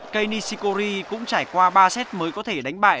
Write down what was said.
kenny sicori cũng trải qua ba set mới có thể đánh bại